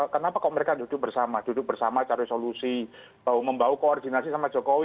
kenapa kok mereka duduk bersama duduk bersama cari solusi bahu membahu koordinasi sama jokowi